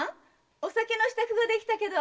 お酒の支度ができたけど。